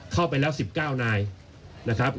เข้าไปแล้ว๑๙นายนะครับ